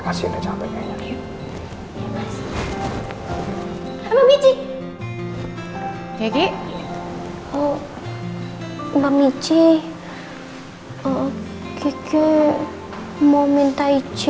sayangilah suamiku ya allah